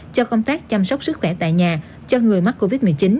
cho công tác chăm sóc sức khỏe tại nhà cho người mắc covid một mươi chín